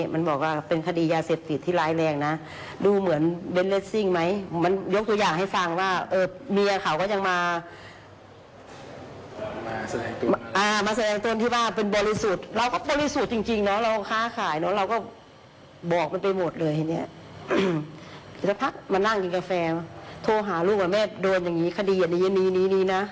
แม่โทรหาลูกว่าแม่โดนอย่างงี้คดีอย่างนี้นะบ้างอย่างงี้นะ